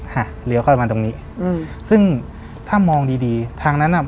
เลี้ยวเข้ามาตรงนี้อืมซึ่งถ้ามองดีดีทางนั้นอ่ะ